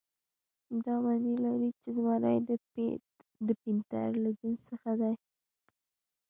دا معنی لري چې زمری د پینتر له جنس څخه دی.